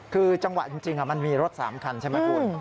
คือจังหวะจริงมันมีรถ๓คันใช่ไหมคุณ